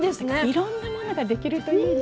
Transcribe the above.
いろんなものができるといいね。